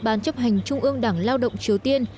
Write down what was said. ban chấp hành trung ương đảng lao động triều tiên